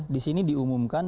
di sini diumumkan